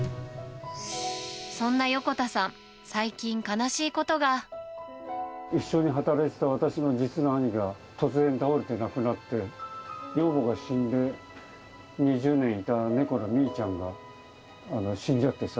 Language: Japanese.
そんな横田さん、最近、悲しいこ一緒に働いてた、私の実の兄が突然倒れて亡くなって、女房が死んで、２０年いた猫のみーちゃんが死んじゃってさ。